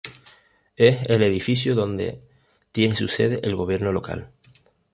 Es el edificio donde tiene su sede el Gobierno Local.